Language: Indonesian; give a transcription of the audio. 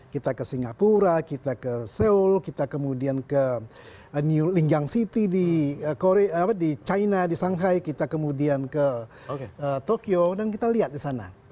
kita ke singapura kita ke seoul kita kemudian ke new linjang city di china di shanghai kita kemudian ke tokyo dan kita lihat di sana